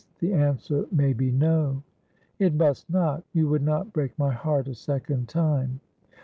The answer may be No.' ' It must not. You would not break my heart a second time.'